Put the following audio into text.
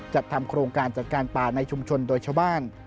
จัดทำโครงการจัดการป่าในชุมชนโดยชาวบ้าน